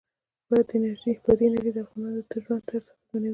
بادي انرژي د افغانانو د ژوند طرز اغېزمنوي.